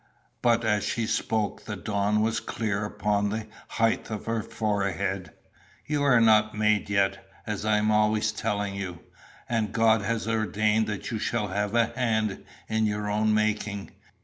But as she spoke the dawn was clear upon the height of her forehead. "You are not made yet, as I am always telling you; and God has ordained that you shall have a hand in your own making.